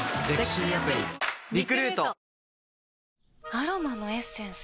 アロマのエッセンス？